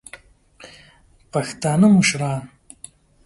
پښتانه مشران